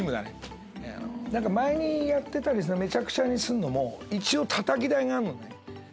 前にやってためちゃくちゃにするのも一応たたき台があるのね。